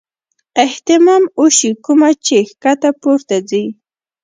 اهتمام اوشي کومه چې ښکته پورته ځي -